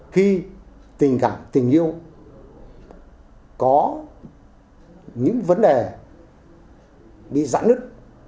khi tình cảm tình yêu có những vấn đề bị giãn nứt